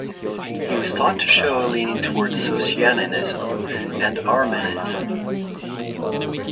He was thought to show a leaning towards Socinianism and Arminianism.